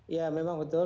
ya memang betul